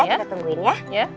kita tungguin ya